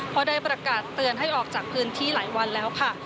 เพราะได้ประกาศเตือนให้ออกจากพื้นที่หลายวันแล้วค่ะ